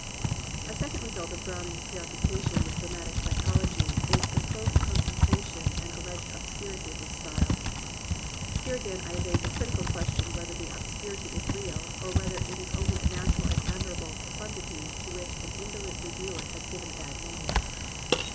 A second result of Browning's preoccupation with dramatic psychology is the close concentration and "alleged obscurity" of his style. Here again I evade the critical question whether the obscurity is real, or whether it is only a natural and admirable profundity to which an indolent reviewer has given a bad name.